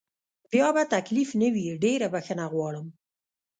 بیا به تکلیف نه وي، ډېره بخښنه غواړم.